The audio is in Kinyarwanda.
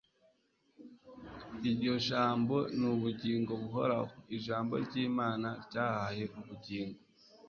Iryo jambo ni ubugingo buhoraho. Ijambo ry’Imana ryahaye ubugingo